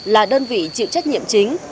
là đơn vị chịu trách nhiệm chính